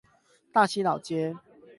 大溪老街